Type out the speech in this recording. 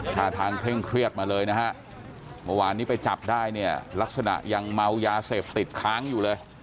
ท่าทางเคร่งเครียดมาเลยนะฮะเมื่อวานนี้ไปจับได้เนี่ยลักษณะยังเมายาเสพติดค้างอยู่เลย